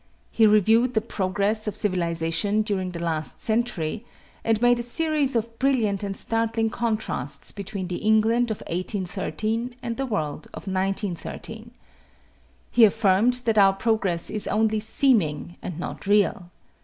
He reviewed the progress of civilization during the last century and made a series of brilliant and startling contrasts between the England of 1813 and the world of 1913. He affirmed that our progress is only seeming and not real.